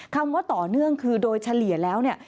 คำว่าต่อเนื่องคือโดยเฉลี่ยแล้วเนี่ย